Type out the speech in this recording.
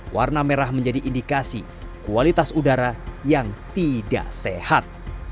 warna merah menjadi indikasi kualitas udara yang tidak sehat